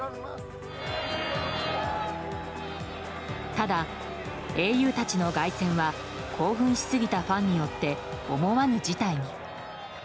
ただ、英雄たちの凱旋は興奮しすぎたファンによって思わぬ事態に。